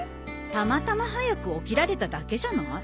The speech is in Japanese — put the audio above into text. たまたま早く起きられただけじゃない？